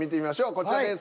こちらです。